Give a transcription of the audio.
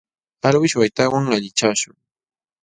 Alwish waytawan allichashun.